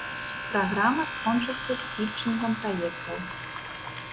Праграма скончыцца пітчынгам праектаў.